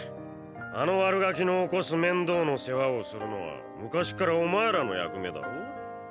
あの悪ガキの起こす面倒の世話をするのは昔っからお前らの役目だろ？